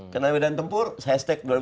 kenali medan tempur saya setekan